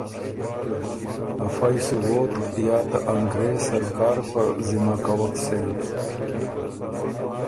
ا فئ سُو ووتک یا ته انګرېز سرکار په ذِمه کوَک سېن۔